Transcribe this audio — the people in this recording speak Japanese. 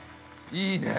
いいね。